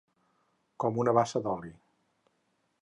Com una bassa d'oli.